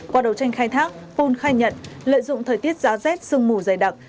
qua đầu tranh khai thác pun khai nhận lợi dụng thời tiết giá rét sương mù dày đặc